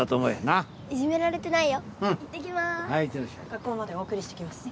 学校までお送りしてきます。